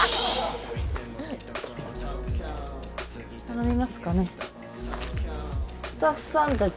「頼みますかね」